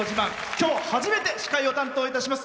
今日初めて司会を担当いたします